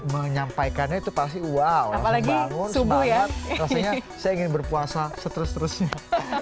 menyampaikannya itu pasti wow apalagi semangat rasanya saya ingin berpuasa seterusnya